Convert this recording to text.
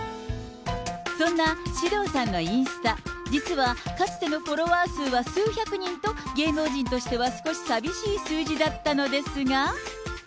そんな獅童さんのインスタ、実はかつてのフォロワー数は数百人と、芸能人としては少し寂しい数字だったのですが。